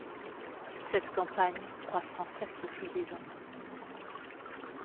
Cette campagne croît sans cesse au fil des ans.